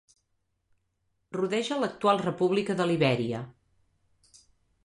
Rodeja l'actual república de Libèria